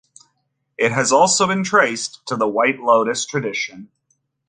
It has also been traced to the White Lotus tradition.